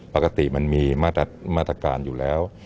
ปกติมันมีมาตรการอยู่แล้ว